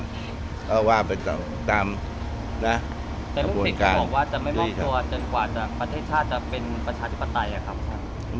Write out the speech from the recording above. แต่ลูกศิษย์ก็บอกว่าจะไม่มอบตัวจนกว่าประเทศชาติจะเป็นประชาธิปไตยครับ